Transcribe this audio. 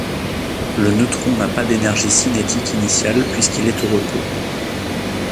Le neutron n’a pas d’énergie cinétique initiale puisqu’il est au repos.